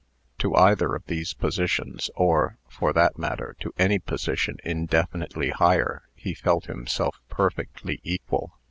To either of these positions, or, for that matter, to any position indefinitely higher, he felt himself perfectly equal.